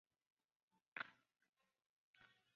梅尔基施卢赫是德国勃兰登堡州的一个市镇。